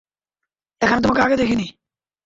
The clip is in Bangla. এখানে তোমাকে আগে দেখিনি।